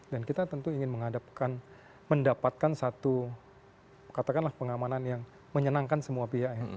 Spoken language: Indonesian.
dan kita tentu ingin menghadapkan mendapatkan satu katakanlah pengamanan yang menyenangkan semua pihak